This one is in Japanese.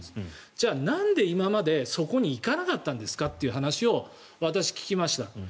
じゃあ、なんで今までそこに行かなかったんですかという話を私、聞きました。